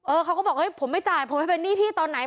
เออเขาก็บอกผมไม่จ่ายผมไม่เป็นหนี้พี่ตอนไหน